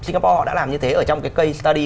singapore họ đã làm như thế ở trong cái k study